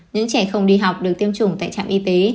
những trẻ không đi học được tiêm chủng tại trạm y tế